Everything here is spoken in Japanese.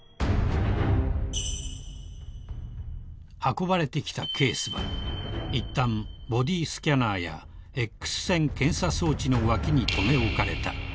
［運ばれてきたケースはいったんボディースキャナーやＸ線検査装置の脇にとめおかれた］